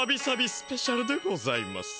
スペシャルでございます。